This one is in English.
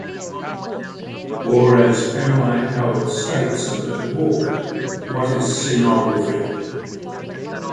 Or as Pamela Howard states in her book What is Scenography?